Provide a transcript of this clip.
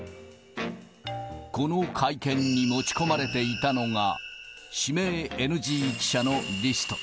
この会見に持ち込まれていたのが、指名ＮＧ記者のリスト。